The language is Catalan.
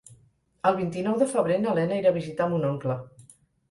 El vint-i-nou de febrer na Lena irà a visitar mon oncle.